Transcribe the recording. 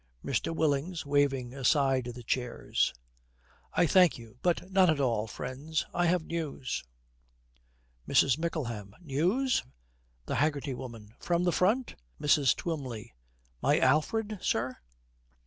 MR. WILLINGS, waving aside the chairs, 'I thank you. But not at all. Friends, I have news.' MRS. MICKLEHAM. 'News?' THE HAGGERTY WOMAN. 'From the Front?' MRS. TWYMLEY. 'My Alfred, sir?'